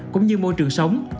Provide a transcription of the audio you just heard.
cũng như môi trường sống